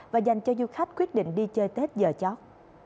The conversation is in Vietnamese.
và dành cho du khách quyết định đi chơi tết giờ chót